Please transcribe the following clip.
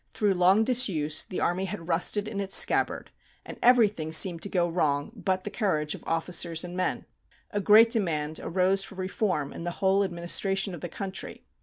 Through long disuse the army had rusted in its scabbard, and everything seemed to go wrong but the courage of officers and men. A great demand arose for reform in the whole administration of the country.